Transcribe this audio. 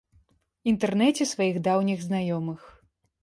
Інтэрнэце сваіх даўніх знаёмых.